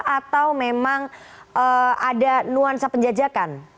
atau memang ada nuansa penjajakan